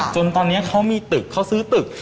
จนตอนนี้เขามีตึกเขาซื้อตึก